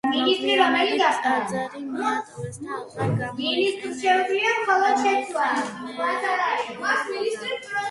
მოგვიანებით ტაძარი მიატოვეს და აღარ გამოიყენებოდა.